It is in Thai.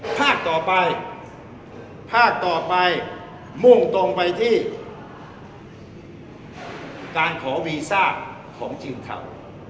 ภาคต่อไปภาคต่อไปมุ่งตรงไปที่การขอวีซ่าของทีมข่าว